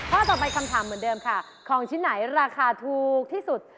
ข้อต่อไปคำถามเหมือนเดิมค่ะของชิ้นไหนราคาถูกที่สุด